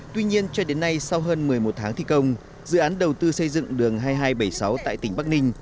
tuy nhiên cho đến nay sau hơn một mươi một tháng thi công dự án đầu tư xây dựng đường hai nghìn hai trăm bảy mươi sáu tại tỉnh bắc ninh